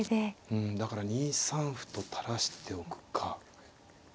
うんだから２三歩と垂らしておくか。